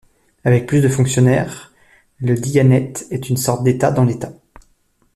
Avec plus de fonctionnaires, le Diyanet est une sorte d'État dans l'État.